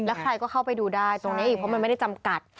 แล้วใครก็เข้าไปดูได้ตรงนี้อีกเพราะมันไม่ได้จำกัด